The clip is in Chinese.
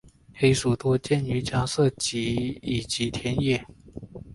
黑鼠多见于家舍以及田野。